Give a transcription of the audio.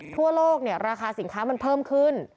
ทั่วโลกราคาสินค้ามันเพิ่มขึ้น